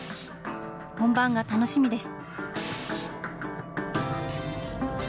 本番が楽しみです。